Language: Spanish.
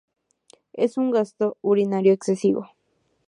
Es un gasto urinario excesivo.